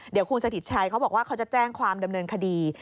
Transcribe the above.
เดี๋ยวคุณสถิตชัยเขาบอกว่าเขาจะแจ้งความดำเนินคดี